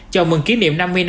chào mừng kỷ niệm năm mươi năm